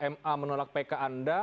ma menolak pk anda